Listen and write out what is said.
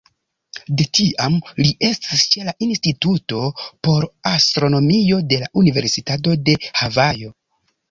De tiam, li estis ĉe la Instituto por Astronomio de la Universitato de Havajo.